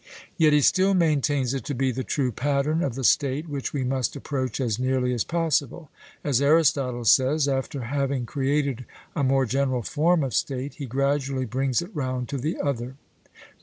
Yet he still maintains it to be the true pattern of the state, which we must approach as nearly as possible: as Aristotle says, 'After having created a more general form of state, he gradually brings it round to the other' (Pol.).